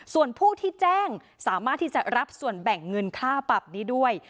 ส่วนผู้ที่แจ้งสามารถที่จะรับส่วนแบ่งเงินค่าปรับนี้ด้วย